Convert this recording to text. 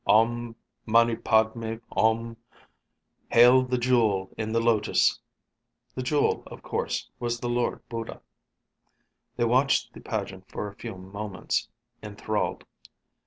Om Mani Padme Hum. Hail, the jewel in the lotus! The jewel, of course, was the Lord Buddha. They watched the pageant for a few moments, enthralled.